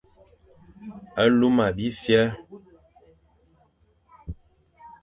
Luma bifer,